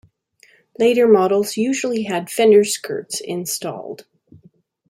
Later models usually had fender skirts installed.